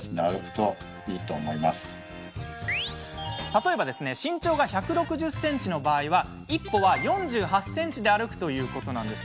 例えば、身長が１６０ｃｍの場合１歩は４８ｃｍで歩くということ。